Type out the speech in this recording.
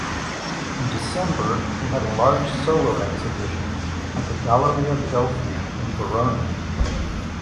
In December he had a large solo exhibition at the Galleria Ghelfi in Verona.